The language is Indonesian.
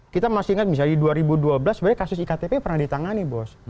kita masih ingat misalnya di dua ribu dua belas sebenarnya kasus iktp pernah ditangani bos